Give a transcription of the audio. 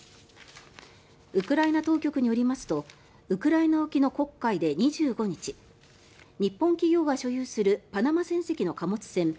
ウクライナ当局によりますとウクライナ沖の黒海で２５日日本企業が所有するパナマ船籍の貨物船